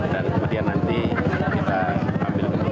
dan kemudian nanti kita ambil keputusan